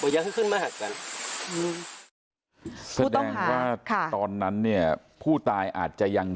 ยังให้ขึ้นมาหักกันอืมแสดงว่าตอนนั้นเนี่ยผู้ตายอาจจะยัง